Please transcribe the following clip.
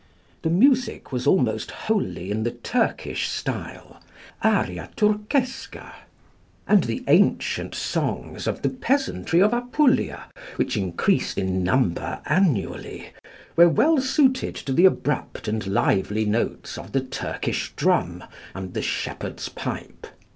The music was almost wholly in the Turkish style (aria Turchesca), and the ancient songs of the peasantry of Apulia, which increased in number annually, were well suited to the abrupt and lively notes of the Turkish drum and the shepherd's pipe.